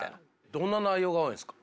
どんな内容が多いんですか？